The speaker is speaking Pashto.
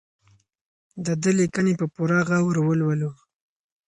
د ده لیکنې په پوره غور ولولو.